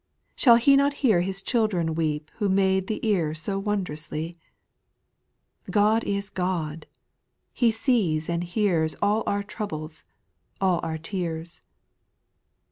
Shall He not hear his children weep Who made the ear so wondrously ? God is God ; He sees and hears All our troubles, all our tears.